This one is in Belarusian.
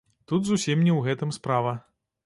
Тут зусім не ў гэтым справа.